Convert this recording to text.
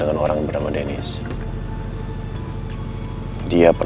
nama nya agar lagi mbak semad